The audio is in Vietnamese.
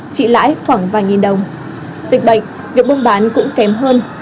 chị lãi khoảng vài nghìn đồng dịch bệnh việc bông bán cũng kém hơn